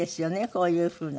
こういうふうな。